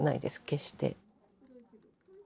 決して。